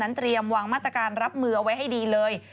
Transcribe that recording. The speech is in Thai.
เตรียมวางมาตรการรับมือเอาไว้ให้ดีเลย